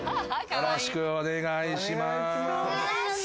よろしくお願いします。